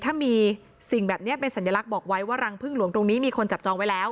ถ้ามีสิ่งแบบนี้เป็นสัญลักษณ์บอกไว้ว่ารังพึ่งหลวงตรงนี้มีคนจับจองไว้แล้ว